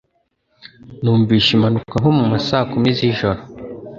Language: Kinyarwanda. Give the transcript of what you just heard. Numvise impanuka nko mu ma saa kumi z'ijoro.